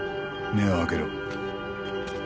目を開けろ。